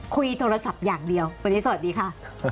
คุยโทรศัพท์อย่างเดียววันนี้สวัสดีค่ะ